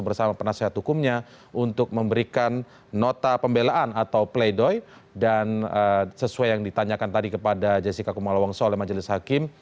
bersama penasihat hukumnya untuk memberikan nota pembelaan atau pleidoy dan sesuai yang ditanyakan tadi kepada jessica kumala wongso oleh majelis hakim